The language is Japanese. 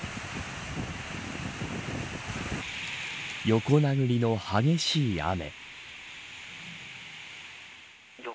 横殴りの激しい雨。